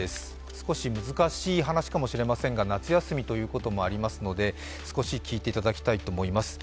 少し難しい話かもしれませんが夏休みということで少し聞いていただきたいと思います。